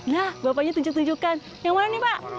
nah bapaknya tunjuk tunjukkan yang mana nih pak